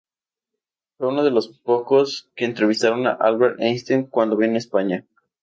Fue uno de los pocos que entrevistaron a Albert Einstein cuando vino a España.